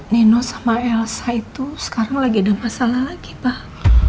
neno sama elsa itu sekarang lagi ada masalah lagi pak